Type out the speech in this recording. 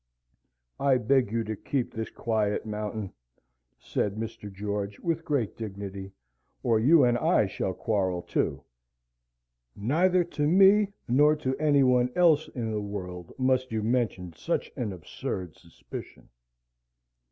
"I beg you to keep this quiet, Mountain," said Mr. George, with great dignity, "or you and I shall quarrel too. Neither to me nor to any one else in the world must you mention such an absurd suspicion."